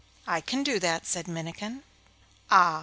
'I can do that,' said Minnikin. 'Ah!